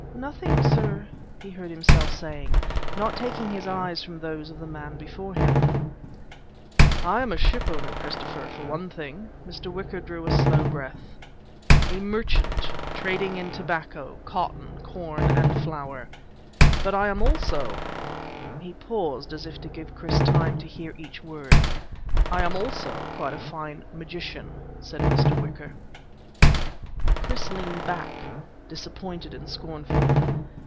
"Nothing, sir," he heard himself saying, not taking his eyes from those of the man before him. "I am a shipowner, Christopher, for one thing," Mr. Wicker drew a slow breath. "A merchant trading in tobacco, cotton, corn, and flour. But I am also " he paused as if to give Chris time to hear each word, "I am also quite a fine magician," said Mr. Wicker. Chris leaned back, disappointed and scornful.